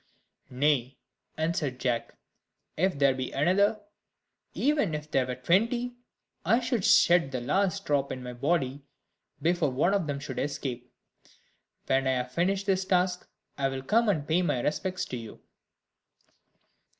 "Nay," answered Jack, "if there be another, even if there were twenty, I would shed the last drop of blood in my body before one of them should escape. When I have finished this task, I will come and pay my respects to you."